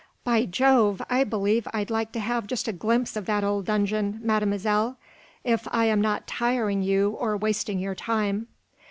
"By Jove, I believe I'd like to have just a glimpse of that old dungeon, Mademoiselle, if I am not tiring you or wasting your time."